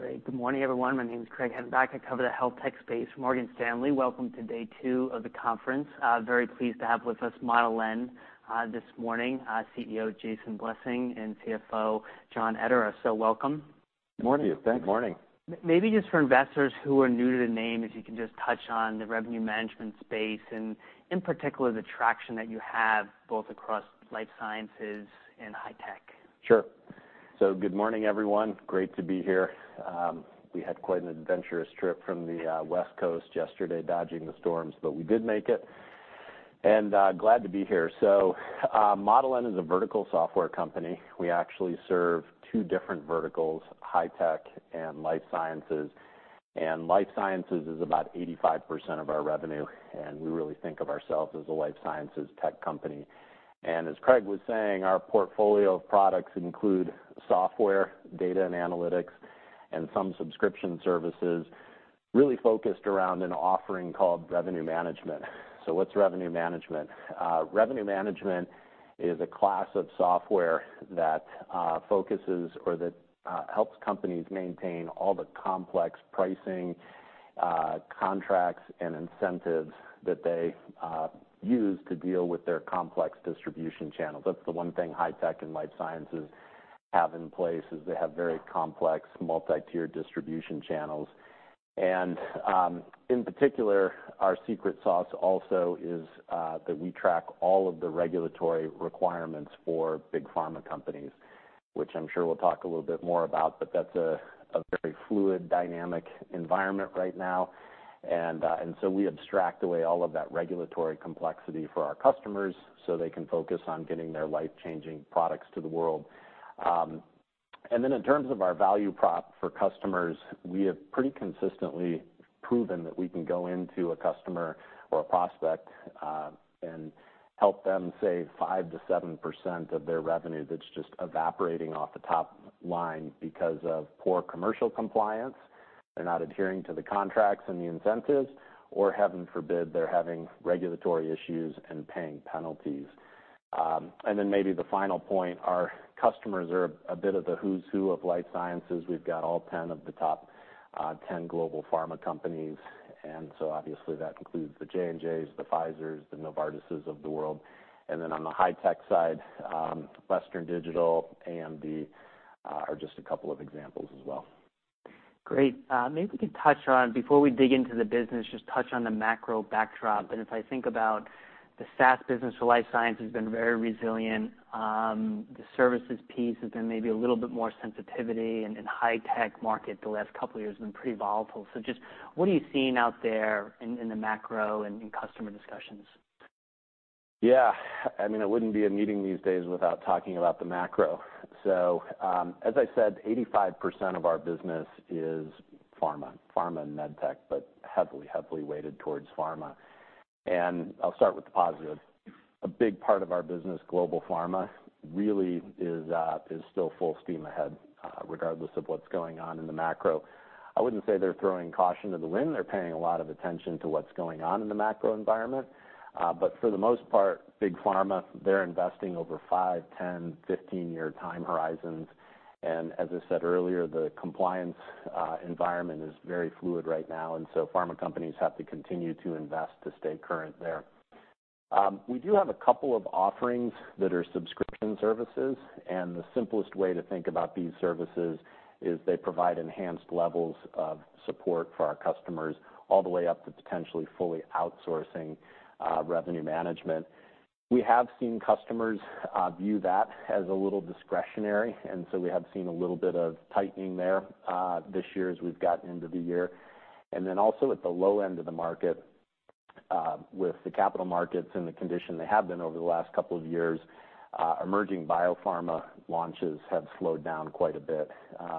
Great. Good morning, everyone. My name is Craig Hettenbach. I cover the health tech space for Morgan Stanley. Welcome to day two of the conference. Very pleased to have with us Model N, CEO Jason Blessing and CFO John Ederer. So welcome. Good morning. Thank you. Good morning. Maybe just for investors who are new to the name, if you can just touch on the revenue management space and in particular, the traction that you have both across life sciences and high tech? Sure. So good morning, everyone. Great to be here. We had quite an adventurous trip from the West Coast yesterday, dodging the storms, but we did make it, and glad to be here. So Model N is a vertical software company. We actually serve two different verticals, high-tech and life sciences. And life sciences is about 85% of our revenue, and we really think of ourselves as a life sciences tech company. And as Craig was saying, our portfolio of products include software, data and analytics, and some subscription services, really focused around an offering called Revenue Management. So what's revenue management? Revenue management is a class of software that focuses or that helps companies maintain all the complex pricing, contracts and incentives that they use to deal with their complex distribution channels. That's the one thing high tech and life sciences have in place, is they have very complex multi-tiered distribution channels. In particular, our secret sauce also is that we track all of the regulatory requirements for big pharma companies which I'm sure we'll talk a little bit more about, but that's a very fluid dynamic environment right now. And so we abstract away all of that regulatory complexity for our customers, so they can focus on getting their life-changing products to the world. And then in terms of our value prop for customers, we have pretty consistently proven that we can go into a customer or a prospect and help them save 5%-7% of their revenue that's just evaporating off the top line because of poor commercial compliance. They're not adhering to the contracts and the incentives, or heaven forbid, they're having regulatory issues and paying penalties. And then maybe the final point, our customers are a bit of the who's who of life sciences. We've got all 10 of the top 10 global pharma companies, and so obviously that includes the J&Js, the Pfizers, the Novartises of the world. And then on the high tech side, Western Digital, AMD, are just a couple of examples as well. Great. Maybe we can touch on, before we dig into the business, just touch on the macro backdrop. And if I think about the SaaS business for life science has been very resilient. The services piece has been maybe a little bit more sensitivity, and in high tech market, the last couple of years have been pretty volatile. So just what are you seeing out there in the macro and in customer discussions? Yeah, I mean, it wouldn't be a meeting these days without talking about the macro. So, as I said, 85% of our business is pharma, pharma and med tech, but heavily, heavily weighted towards pharma. And I'll start with the positive. A big part of our business, global pharma, really is still full steam ahead, regardless of what's going on in the macro. I wouldn't say they're throwing caution to the wind. They're paying a lot of attention to what's going on in the macro environment. But for the most part, big pharma, they're investing over five, 10, 15-year time horizons. And as I said earlier, the compliance environment is very fluid right now, and so pharma companies have to continue to invest to stay current there. We do have a couple of offerings that are subscription services, and the simplest way to think about these services is they provide enhanced levels of support for our customers all the way up to potentially fully outsourcing revenue management. We have seen customers view that as a little discretionary, and so we have seen a little bit of tightening there this year as we've gotten into the year. And then also at the low end of the market, with the capital markets and the condition they have been over the last couple of years, emerging biopharma launches have slowed down quite a bit,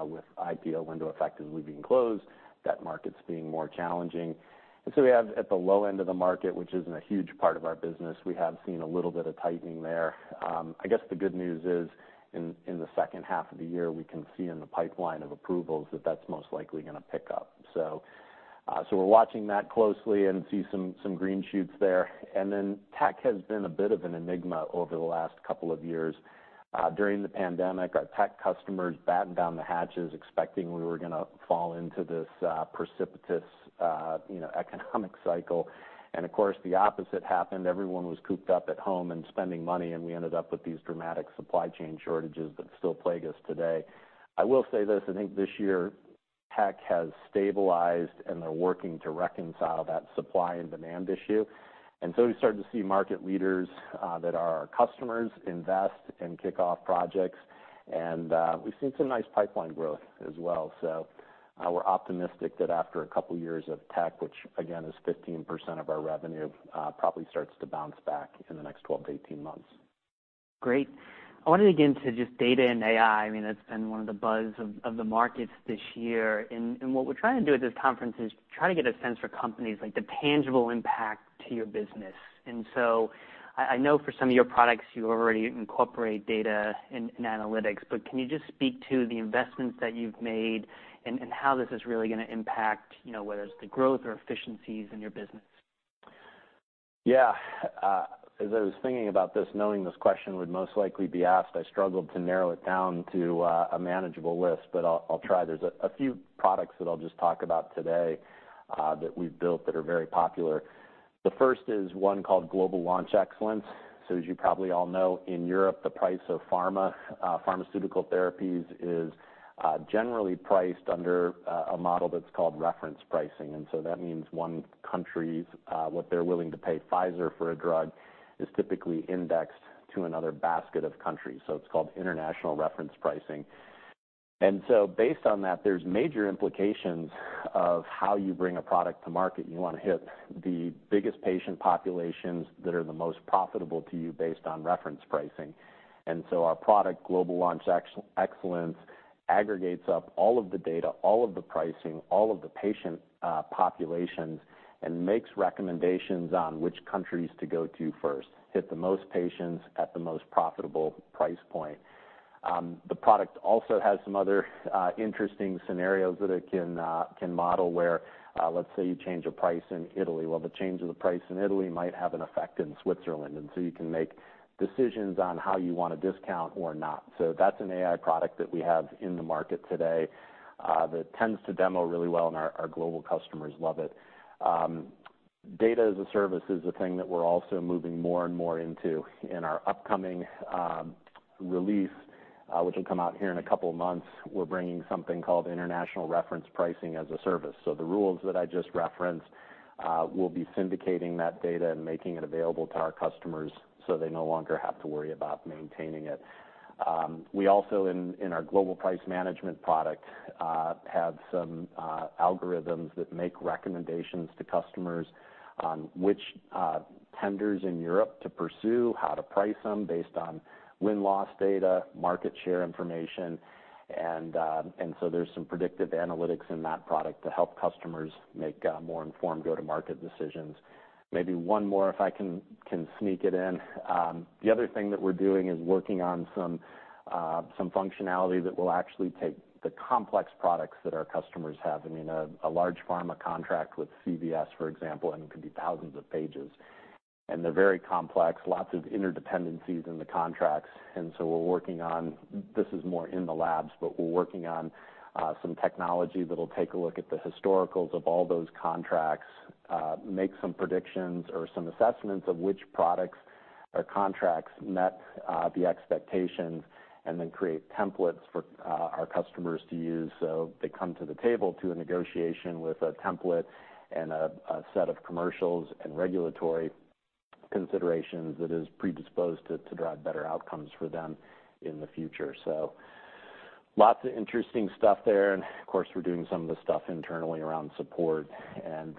with IPO window effectively being closed, that market's being more challenging. And so we have at the low end of the market, which isn't a huge part of our business, we have seen a little bit of tightening there. I guess the good news is, in the second half of the year, we can see in the pipeline of approvals that that's most likely gonna pick up. So, so we're watching that closely and see some, some green shoots there. And then tech has been a bit of an enigma over the last couple of years. During the pandemic, our tech customers batten down the hatches, expecting we were gonna fall into this, precipitous, you know, economic cycle. And of course, the opposite happened. Everyone was cooped up at home and spending money, and we ended up with these dramatic supply chain shortages that still plague us today. I will say this, I think this year, tech has stabilized, and they're working to reconcile that supply and demand issue. And so we started to see market leaders that our customers invest and kick off projects, and we've seen some nice pipeline growth as well. So, we're optimistic that after a couple of years of tech, which again, is 15% of our revenue, probably starts to bounce back in the next 12-18 months. Great. I wanted to get into just data and AI. I mean, that's been one of the buzz of the markets this year. And what we're trying to do at this conference is try to get a sense for companies, like the tangible impact to your business. And so I know for some of your products, you already incorporate data and analytics, but can you just speak to the investments that you've made and how this is really gonna impact, you know, whether it's the growth or efficiencies in your business? Yeah, as I was thinking about this, knowing this question would most likely be asked, I struggled to narrow it down to a manageable list, but I'll try. There's a few products that I'll just talk about today, that we've built that are very popular. The first is one called Global Launch Excellence. So as you probably all know, in Europe, the price of pharma, pharmaceutical therapies is generally priced under a model that's called reference pricing. And so that means one country's what they're willing to pay Pfizer for a drug is typically indexed to another basket of countries. So it's called international reference pricing. And so based on that, there's major implications of how you bring a product to market. You wanna hit the biggest patient populations that are the most profitable to you based on reference pricing. And so our product, Global Launch Excellence, aggregates up all of the data, all of the pricing, all of the patient populations, and makes recommendations on which countries to go to first, hit the most patients at the most profitable price point. The product also has some other interesting scenarios that it can model, where let's say you change a price in Italy. Well, the change of the price in Italy might have an effect in Switzerland, and so you can make decisions on how you want to discount or not. So that's an AI product that we have in the market today that tends to demo really well, and our global customers love it. Data as a service is a thing that we're also moving more and more into. In our upcoming release, which will come out here in a couple of months, we're bringing something called International Reference Pricing as a Service. So the rules that I just referenced, we'll be syndicating that data and making it available to our customers, so they no longer have to worry about maintaining it. We also, in our Global Price Management product, have some algorithms that make recommendations to customers on which tenders in Europe to pursue, how to price them based on win-loss data, market share information. And so there's some predictive analytics in that product to help customers make more informed go-to-market decisions. Maybe one more, if I can sneak it in. The other thing that we're doing is working on some, some functionality that will actually take the complex products that our customers have, I mean, a, a large pharma contract with CVS, for example, and it could be thousands of pages, and they're very complex, lots of interdependencies in the contracts. And so we're working on. This is more in the labs, but we're working on some technology that'll take a look at the historicals of all those contracts, make some predictions or some assessments of which products or contracts met the expectations, and then create templates for our customers to use. So they come to the table to a negotiation with a template and a, a set of commercials and regulatory considerations that is predisposed to, to drive better outcomes for them in the future. So lots of interesting stuff there, and of course, we're doing some of the stuff internally around support and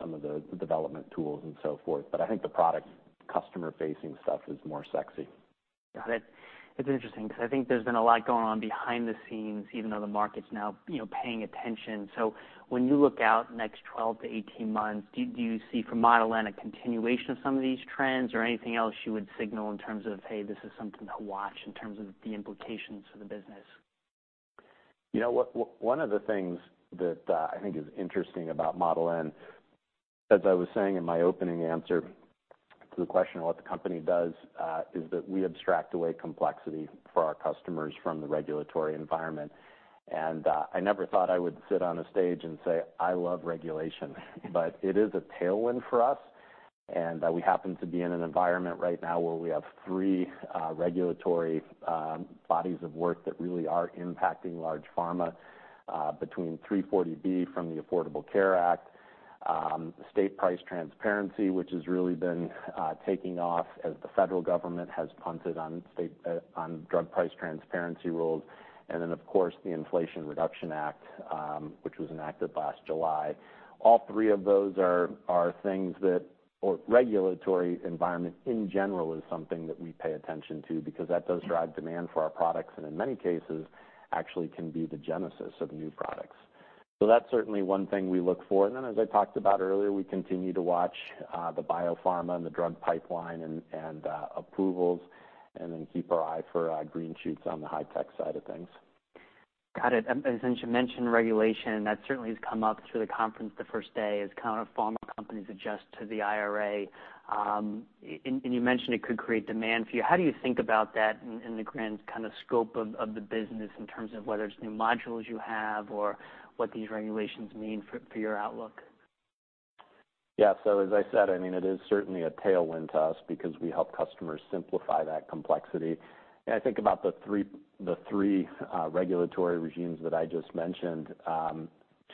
some of the development tools and so forth. But I think the product customer-facing stuff is more sexy. Got it. It's interesting 'cause I think there's been a lot going on behind the scenes, even though the market's now, you know, paying attention. So when you look out next 12-18 months, do you see from Model N a continuation of some of these trends or anything else you would signal in terms of, "Hey, this is something to watch," in terms of the implications for the business? You know, one of the things that I think is interesting about Model N, as I was saying in my opening answer to the question of what the company does, is that we abstract away complexity for our customers from the regulatory environment. I never thought I would sit on a stage and say, "I love regulation," but it is a tailwind for us. We happen to be in an environment right now where we have three regulatory bodies of work that really are impacting large pharma between 340B from the Affordable Care Act, state price transparency, which has really been taking off as the federal government has punted on state on drug price transparency rules, and then, of course, the Inflation Reduction Act, which was enacted last July. All three of those are things that... or regulatory environment in general is something that we pay attention to because that does drive demand for our products, and in many cases, actually can be the genesis of new products. So that's certainly one thing we look for. And then, as I talked about earlier, we continue to watch the biopharma and the drug pipeline and approvals, and then keep our eye for green shoots on the high-tech side of things. Got it. As you mentioned, regulation, that certainly has come up through the conference the first day as pharma companies adjust to the IRA. And you mentioned it could create demand for you. How do you think about that in the grand kind of scope of the business in terms of whether it's new modules you have or what these regulations mean for your outlook? Yeah. So as I said I mean, it is certainly a tailwind to us because we help customers simplify that complexity. And I think about the three regulatory regimes that I just mentioned.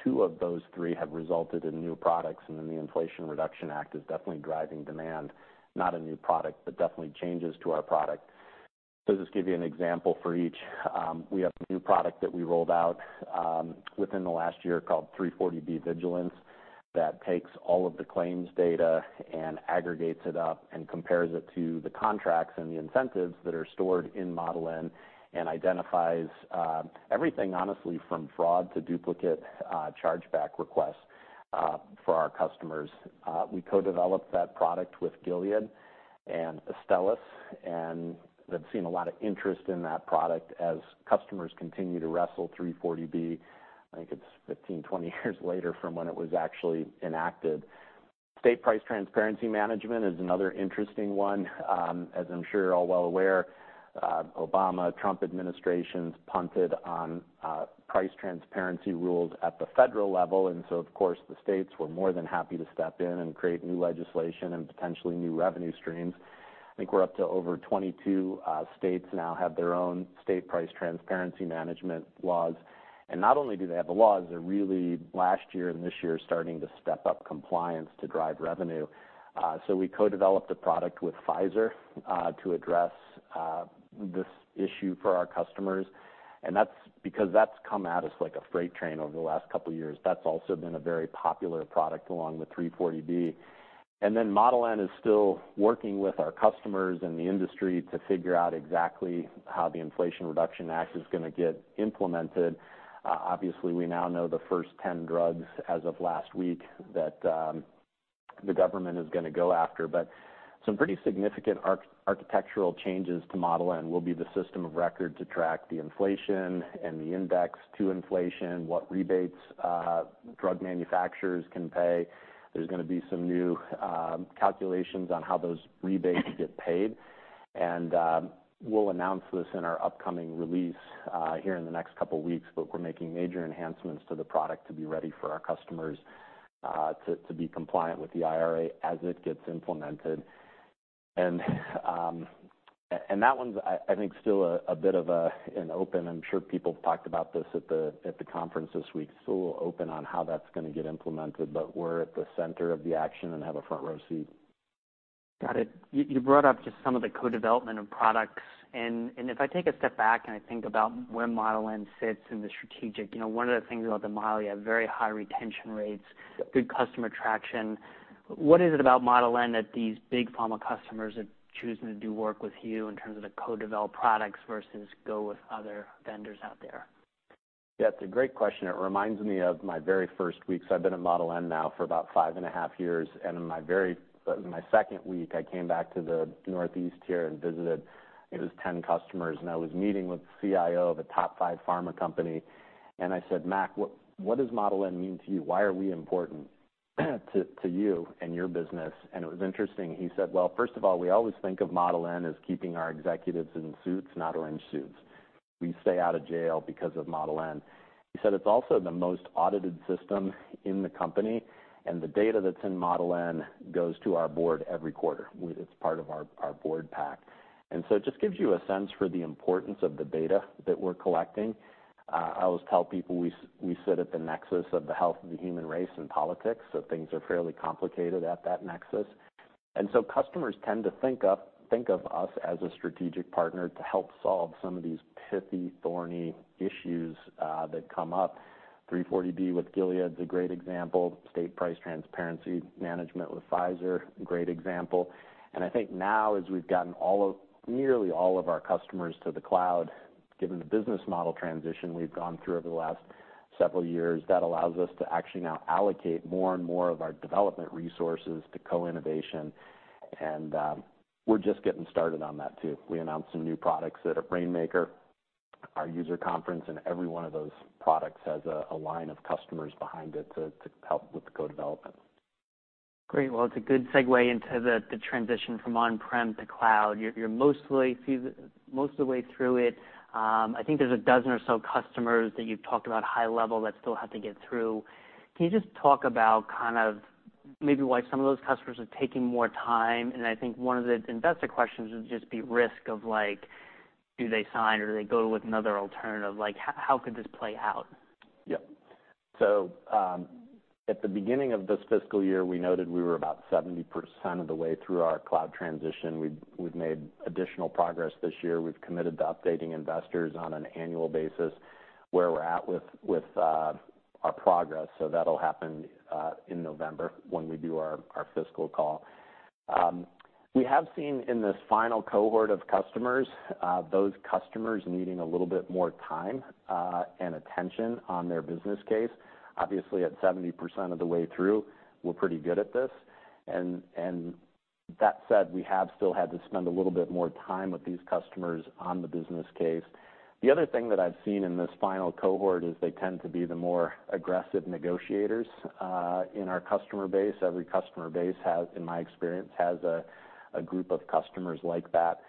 Two of those three have resulted in new products, and then the Inflation Reduction Act is definitely driving demand, not a new product, but definitely changes to our product. So just give you an example for each. We have a new product that we rolled out within the last year called 340B Vigilance, that takes all of the claims data and aggregates it up and compares it to the contracts and the incentives that are stored in Model N and identifies everything, honestly, from fraud to duplicate chargeback requests for our customers. We co-developed that product with Gilead and Astellas, and they've seen a lot of interest in that product as customers continue to wrestle 340B. I think it's 15, 20 years later from when it was actually enacted. State Price Transparency Management is another interesting one. As I'm sure you're all well aware, Obama, Trump administrations punted on, price transparency rules at the federal level, and so, of course, the states were more than happy to step in and create new legislation and potentially new revenue streams. I think we're up to over 22 states now have their own state price transparency management laws. And not only do they have the laws, they're really, last year and this year, starting to step up compliance to drive revenue. So we co-developed a product with Pfizer to address this issue for our customers, and that's because that's come at us like a freight train over the last couple of years. That's also been a very popular product along with 340B and then Model N is still working with our customers and the industry to figure out exactly how the Inflation Reduction Act is going to get implemented. Obviously, we now know the first 10 drugs as of last week that the government is going to go after. But some pretty significant architectural changes to Model N will be the system of record to track the inflation and the index to inflation, what rebates drug manufacturers can pay. There's going to be some new calculations on how those rebates get paid. We'll announce this in our upcoming release, here in the next couple of weeks, but we're making major enhancements to the product to be ready for our customers, to be compliant with the IRA as it gets implemented. And that one's, I think, still a bit of an open... I'm sure people talked about this at the conference this week, so we're open on how that's going to get implemented, but we're at the center of the action and have a front-row seat. Got it. You brought up just some of the co-development of products, and if I take a step back and I think about where Model N sits in the strategic, you know, one of the things about the Model, you have very high retention rates- Yep. Good customer traction. What is it about Model N that these big pharma customers are choosing to do work with you in terms of the co-developed products versus go with other vendors out there? Yeah, it's a great question. It reminds me of my very first week. So I've been at Model N now for about 5.5 years, and in my second week, I came back to the Northeast here and visited, I think it was 10 customers, and I was meeting with the CIO of a top five pharma company, and I said, "Mac, what, what does Model N mean to you? Why are we important to, to you and your business?" And it was interesting. He said, "Well, first of all, we always think of Model N as keeping our executives in suits, not orange suits. We stay out of jail because of Model N." He said, "It's also the most audited system in the company, and the data that's in Model N goes to our board every quarter. It's part of our board pack. And so it just gives you a sense for the importance of the data that we're collecting. I always tell people we sit at the nexus of the health of the human race and politics, so things are fairly complicated at that nexus. And so customers tend to think of us as a strategic partner to help solve some of these pithy, thorny issues that come up. 340B with Gilead is a great example. State Price Transparency Management with Pfizer great example. I think now, as we've gotten nearly all of our customers to the cloud, given the business model transition we've gone through over the last several years, that allows us to actually now allocate more and more of our development resources to co-innovation, and we're just getting started on that too. We announced some new products at Rainmaker, our user conference, and every one of those products has a line of customers behind it to help with the co-development. Great. Well, it's a good segue into the transition from on-prem to cloud. You're mostly most of the way through it. I think there's a dozen or so customers that you've talked about high level that still have to get through. Can you just talk about kind of maybe why some of those customers are taking more time? And I think one of the investor questions would just be risk of, like, do they sign or do they go with another alternative? Like, how could this play out? Yeah. So, at the beginning of this fiscal year, we noted we were about 70% of the way through our cloud transition. We've made additional progress this year. We've committed to updating investors on an annual basis, where we're at with our progress, so that'll happen in November when we do our fiscal call. We have seen in this final cohort of customers, those customers needing a little bit more time and attention on their business case. Obviously, at 70% of the way through, we're pretty good at this. And that said, we have still had to spend a little bit more time with these customers on the business case. The other thing that I've seen in this final cohort is they tend to be the more aggressive negotiators in our customer base. Every customer base has, in my experience, has a group of customers like that.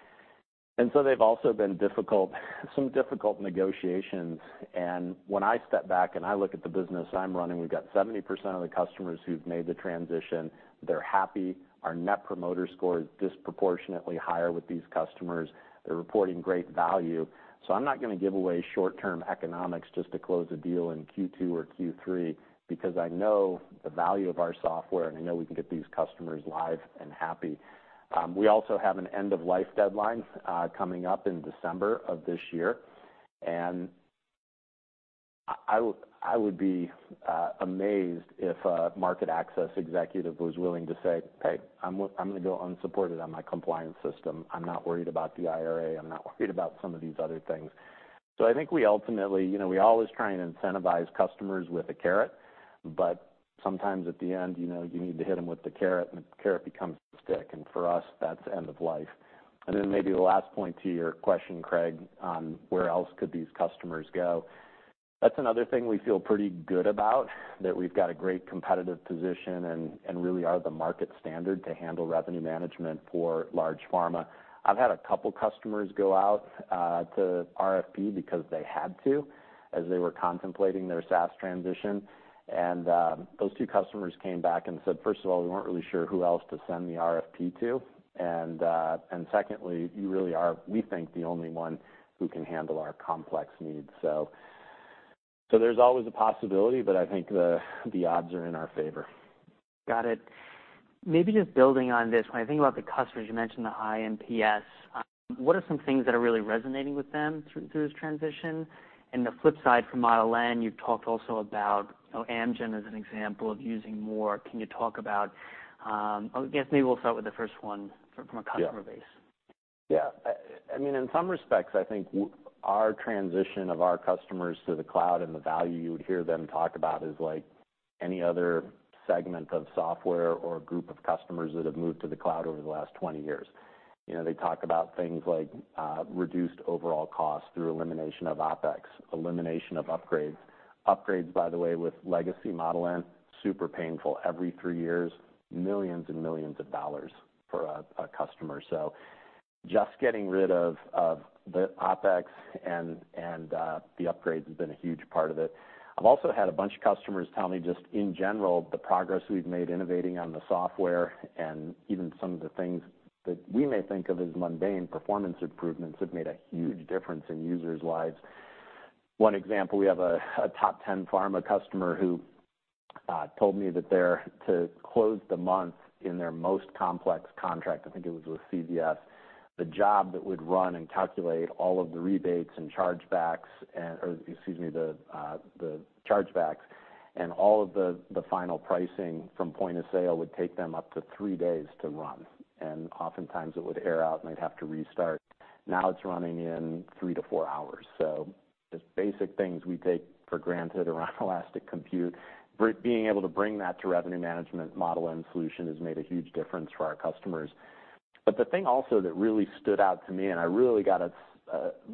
And so they've also been difficult, some difficult negotiations. And when I step back and I look at the business I'm running, we've got 70% of the customers who've made the transition. They're happy. Our Net Promoter Score is disproportionately higher with these customers. They're reporting great value. So I'm not going to give away short-term economics just to close a deal in Q2 or Q3, because I know the value of our software, and I know we can get these customers live and happy. We also have an end-of-life deadline coming up in December of this year and I would be amazed if a market access executive was willing to say, "Hey, I'm going to go unsupported on my compliance system. I'm not worried about the IRA. I'm not worried about some of these other things."... So I think we ultimately, you know, we always try and incentivize customers with a carrot, but sometimes at the end, you know, you need to hit them with the carrot, and the carrot becomes the stick, and for us, that's end of life. And then maybe the last point to your question, Craig, on where else could these customers go? That's another thing we feel pretty good about, that we've got a great competitive position and, and really are the market standard to handle revenue management for large pharma. I've had a couple customers go out to RFP because they had to, as they were contemplating their SaaS transition. And those two customers came back and said, "First of all, we weren't really sure who else to send the RFP to. And secondly, you really are, we think, the only one who can handle our complex needs. So there's always a possibility, but I think the odds are in our favor. Got it. Maybe just building on this, when I think about the customers, you mentioned the high NPS. What are some things that are really resonating with them through this transition? And the flip side for Model N, you talked also about, you know, Amgen as an example of using more. Can you talk about... I guess maybe we'll start with the first one from a customer base. Yeah. I mean, in some respects, I think our transition of our customers to the cloud and the value you would hear them talk about is like any other segment of software or group of customers that have moved to the cloud over the last 20 years. You know, they talk about things like reduced overall cost through elimination of OpEx, elimination of upgrades. Upgrades, by the way, with legacy Model N, super painful. Every three years, millions and millions of dollars for a customer. So just getting rid of the OpEx and the upgrades has been a huge part of it. I've also had a bunch of customers tell me, just in general, the progress we've made innovating on the software, and even some of the things that we may think of as mundane performance improvements, have made a huge difference in users' lives. One example, we have a top ten pharma customer who told me that they're to close the month in their most complex contract, I think it was with CVS, the job that would run and calculate all of the rebates and chargebacks and, or excuse me, the chargebacks, and all of the final pricing from point of sale would take them up to three days to run, and oftentimes it would error out and they'd have to restart. Now, it's running in three to four hours. So just basic things we take for granted around elastic compute, being able to bring that to revenue management Model N solution has made a huge difference for our customers. But the thing also that really stood out to me, and I really got to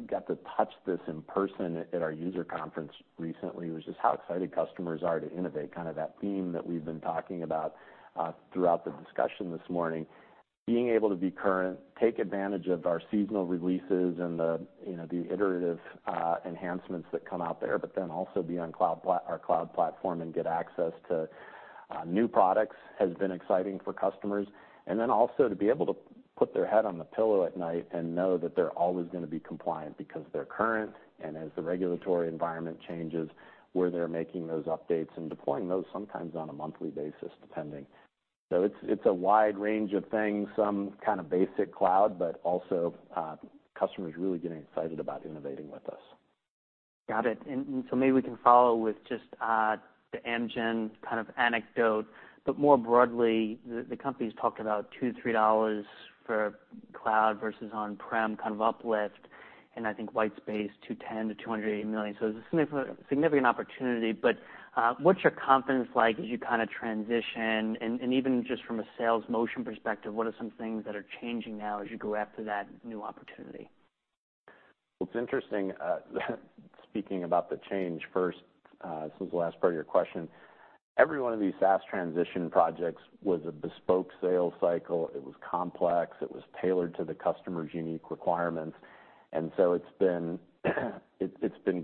got to touch this in person at our user conference recently, was just how excited customers are to innovate, kind of that theme that we've been talking about throughout the discussion this morning. Being able to be current, take advantage of our seasonal releases and the, you know, the iterative enhancements that come out there, but then also be on cloud our cloud platform and get access to new products, has been exciting for customers. And then also to be able to put their head on the pillow at night and know that they're always gonna be compliant because they're current, and as the regulatory environment changes, we're there making those updates and deploying those, sometimes on a monthly basis, depending. So it's, it's a wide range of things, some kind of basic cloud, but also, customers really getting excited about innovating with us. Got it. And so maybe we can follow with just the Amgen kind of anecdote, but more broadly, the company's talked about $2-$3 for cloud versus on-prem kind of uplift, and I think White Space, $210 million-$280 million. So it's a significant, significant opportunity, but what's your confidence like as you kind of transition? And even just from a sales motion perspective, what are some things that are changing now as you go after that new opportunity? Well, it's interesting, speaking about the change first, since the last part of your question, every one of these SaaS transition projects was a bespoke sales cycle. It was complex. It was tailored to the customer's unique requirements. And so it's been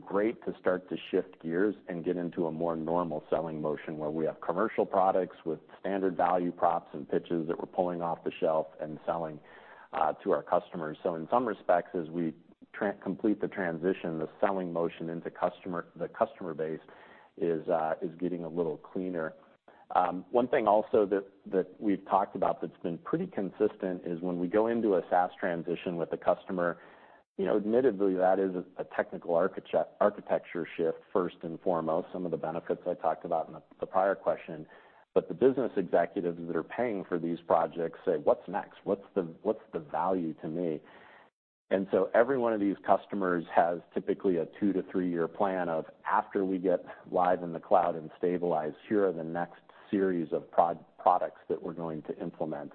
great to start to shift gears and get into a more normal selling motion, where we have commercial products with standard value props and pitches that we're pulling off the shelf and selling, to our customers. So in some respects, as we complete the transition, the selling motion into customer, the customer base is, is getting a little cleaner. One thing also that we've talked about that's been pretty consistent is when we go into a SaaS transition with a customer, you know, admittedly, that is a technical architecture shift, first and foremost, some of the benefits I talked about in the prior question. But the business executives that are paying for these projects say, "What's next? What's the value to me?" And so every one of these customers has typically a two to three-year plan of, after we get live in the cloud and stabilized, here are the next series of products that we're going to implement.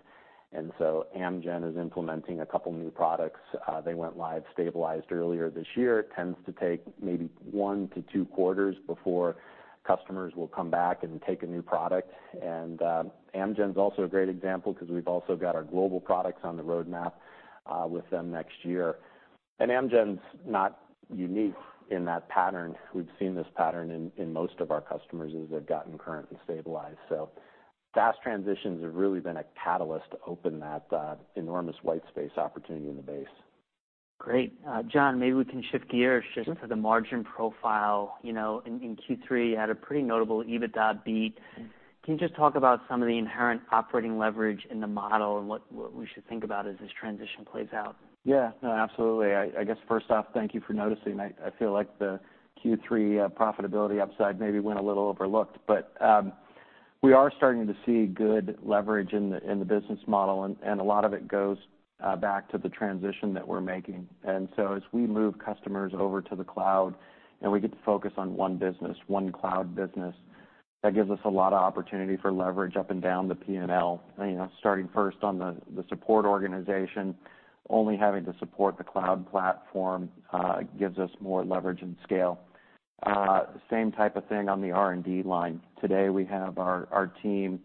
And so Amgen is implementing a couple new products. They went live, stabilized earlier this year. It tends to take maybe one to two quarters before customers will come back and take a new product. Amgen's also a great example because we've also got our global products on the roadmap with them next year. Amgen's not unique in that pattern. We've seen this pattern in most of our customers as they've gotten current and stabilized. Fast transitions have really been a catalyst to open that enormous white space opportunity in the base. Great. John, maybe we can shift gears- Mm-hmm. Just to the margin profile. You know, in Q3, you had a pretty notable EBITDA beat. Can you just talk about some of the inherent operating leverage in the model and what we should think about as this transition plays out? Yeah. No, absolutely. I guess first off, thank you for noticing. I feel like the Q3 profitability upside maybe went a little overlooked. But we are starting to see good leverage in the business model, and a lot of it goes back to the transition that we're making. And so as we move customers over to the cloud, and we get to focus on one business, one cloud business, that gives us a lot of opportunity for leverage up and down the P&L. You know, starting first on the support organization, only having to support the cloud platform, gives us more leverage and scale. Same type of thing on the R&D line. Today, we have our team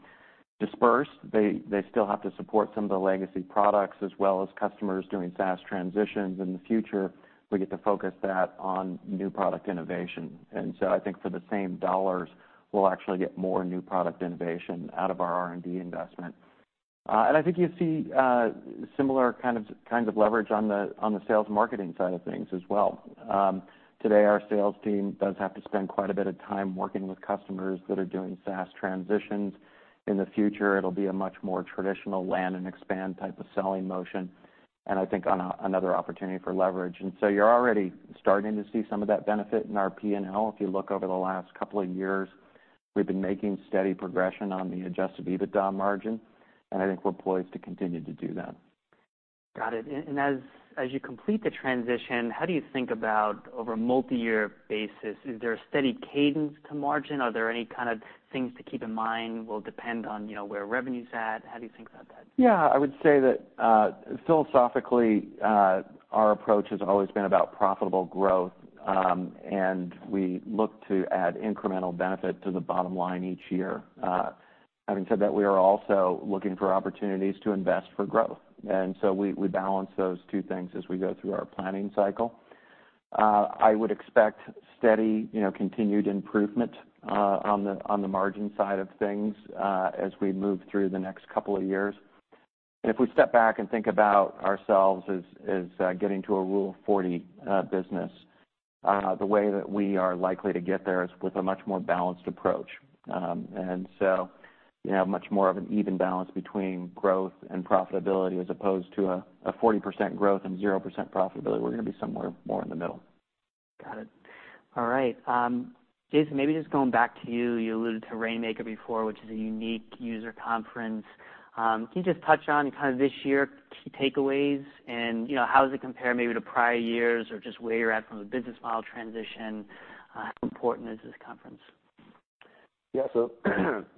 dispersed. They still have to support some of the legacy products as well as customers doing SaaS transitions. In the future, we get to focus that on new product innovation. And so I think for the same dollars, we'll actually get more new product innovation out of our R&D investment. And I think you see similar kinds of leverage on the sales marketing side of things as well. Today, our sales team does have to spend quite a bit of time working with customers that are doing SaaS transitions. In the future, it'll be a much more traditional land and expand type of selling motion, and I think another opportunity for leverage. And so you're already starting to see some of that benefit in our P&L. If you look over the last couple of years, we've been making steady progression on the Adjusted EBITDA margin, and I think we're poised to continue to do that. Got it. And as you complete the transition, how do you think about over a multi-year basis? Is there a steady cadence to margin? Are there any kind of things to keep in mind will depend on, you know, where revenue's at? How do you think about that? Yeah, I would say that, philosophically, our approach has always been about profitable growth, and we look to add incremental benefit to the bottom line each year. Having said that, we are also looking for opportunities to invest for growth, and so we balance those two things as we go through our planning cycle. I would expect steady, you know, continued improvement, on the margin side of things, as we move through the next couple of years. And if we step back and think about ourselves as getting to a Rule 40 business, the way that we are likely to get there is with a much more balanced approach. And so, you have much more of an even balance between growth and profitability, as opposed to a forty percent growth and zero percent profitability. We're gonna be somewhere more in the middle. Got it. All right. Jason, maybe just going back to you, you alluded to Rainmaker before, which is a unique user conference. Can you just touch on kind of this year, key takeaways and, you know, how does it compare maybe to prior years or just where you're at from the business model transition? How important is this conference? Yeah, so,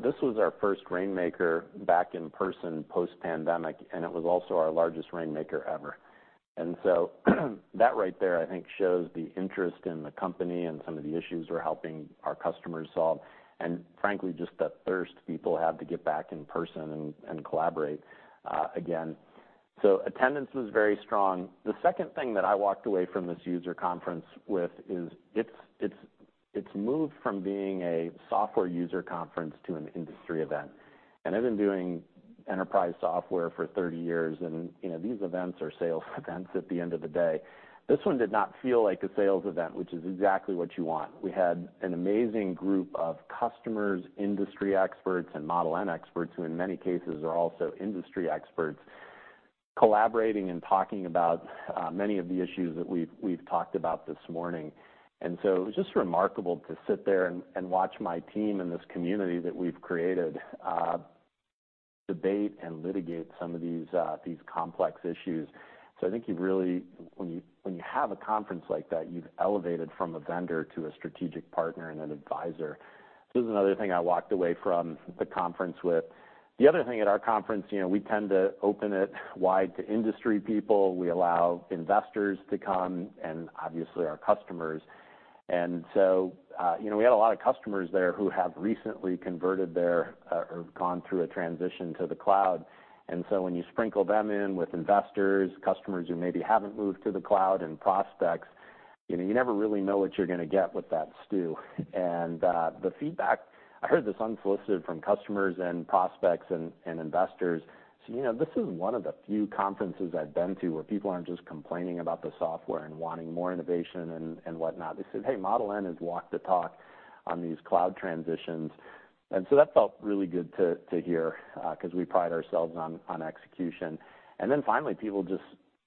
this was our first Rainmaker back in person post-pandemic, and it was also our largest Rainmaker ever. And so, that right there, I think, shows the interest in the company and some of the issues we're helping our customers solve, and frankly, just that thirst people have to get back in person and and collaborate again. So attendance was very strong. The second thing that I walked away from this user conference with is, it's moved from being a software user conference to an industry event. And I've been doing enterprise software for 30 years, and these events are sales events at the end of the day. This one did not feel like a sales event, which is exactly what you want. We had an amazing group of customers, industry experts, and Model N experts, who in many cases, are also industry experts, collaborating and talking about many of the issues that we've talked about this morning. So it was just remarkable to sit there and watch my team and this community that we've created debate and litigate some of these complex issues. I think you've really... When you have a conference like that, you've elevated from a vendor to a strategic partner and an advisor. So this is another thing I walked away from the conference with. The other thing at our conference, you know, we tend to open it wide to industry people. We allow investors to come and obviously our customers. You know, we had a lot of customers there who have recently converted their or gone through a transition to the cloud. When you sprinkle them in with investors, customers who maybe haven't moved to the cloud, and prospects, you know, you never really know what you're gonna get with that stew. The feedback I heard this unsolicited from customers and prospects and investors. So, you know, this is one of the few conferences I've been to, where people aren't just complaining about the software and wanting more innovation and whatnot. They said, "Hey, Model N has walked the talk on these cloud transitions." That felt really good to hear, 'cause we pride ourselves on execution. Then finally, people just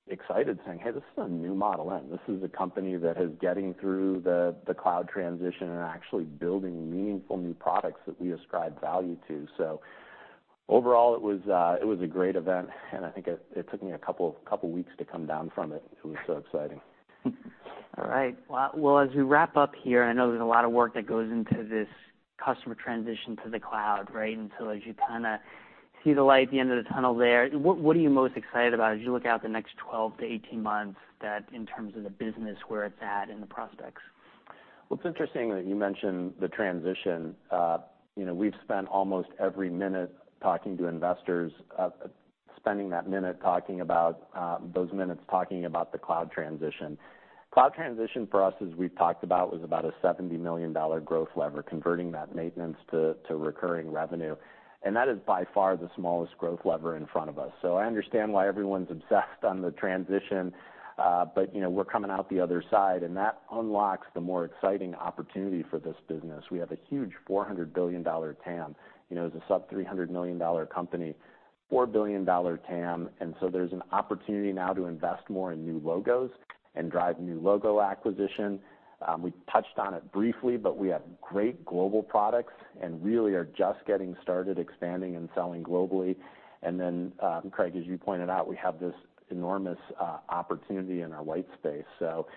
excited, saying: "Hey, this is a new Model N. This is a company that is getting through the cloud transition and actually building meaningful new products that we ascribe value to. So overall, it was a great event, and I think it took me a couple weeks to come down from it. It was so exciting. All right. Well, well, as we wrap up here, I know there's a lot of work that goes into this customer transition to the cloud, right? And so as you kinda see the light at the end of the tunnel there, what, what are you most excited about as you look out the next 12-18 months, that in terms of the business, where it's at and the prospects? Well, it's interesting that you mention the transition. You know, we've spent almost every minute talking to investors, spending that minute talking about those minutes talking about the cloud transition. Cloud transition for us, as we've talked about, was about a $70 million growth lever, converting that maintenance to recurring revenue. And that is by far the smallest growth lever in front of us. So I understand why everyone's obsessed on the transition, but you know, we're coming out the other side, and that unlocks the more exciting opportunity for this business. We have a huge $400 billion TAM. You know, as a sub-$300 million company, $4 billion TAM, and so there's an opportunity now to invest more in new logos and drive new logo acquisition. We touched on it briefly, but we have great global products and really are just getting started expanding and selling globally. And then, Craig, as you pointed out, we have this enormous opportunity in our White Space. So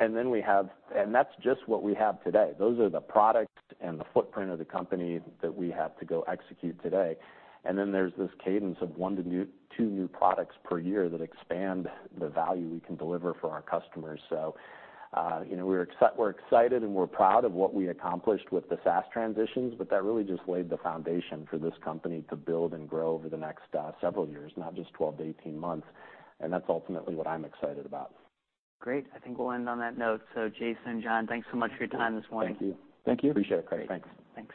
and then we have. And that's just what we have today. Those are the products and the footprint of the company that we have to go execute today. And then there's this cadence of one to two new products per year that expand the value we can deliver for our customers. So, you know, we're excited, and we're proud of what we accomplished with the SaaS transitions, but that really just laid the foundation for this company to build and grow over the next several years, not just 12-18 months. And that's ultimately what I'm excited about. Great. I think we'll end on that note. So Jason, John, thanks so much for your time this morning. Thank you. Thank you. Appreciate it, Craig. Thanks. Thanks.